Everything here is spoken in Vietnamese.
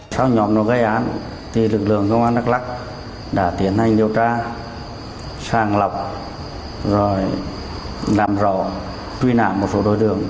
sau nhóm gây án lực lượng công an đắk lắk đã tiến hành điều tra sàng lọc làm rõ truy nạn một số đối tượng